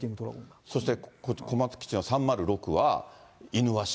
そして小松基地の３０６はイヌワシ。